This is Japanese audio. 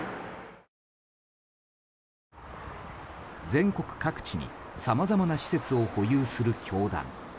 全国各地にさまざまな施設を保有する教団。